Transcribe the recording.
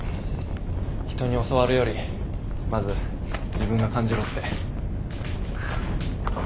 人に教わるよりまず自分が感じろって。